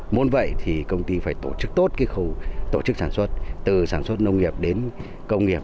muốn vậy thì công ty phải tổ chức tốt cái khâu tổ chức sản xuất từ sản xuất nông nghiệp đến công nghiệp